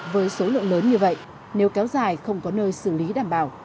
với số lượng lớn như vậy nếu kéo dài không có nơi xử lý đảm bảo